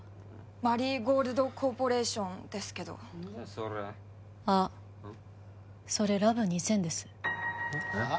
マリーゴールドコーポレーションですけど何それあっそれラブ２０００ですえっ？